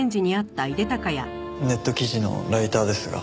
ネット記事のライターですが。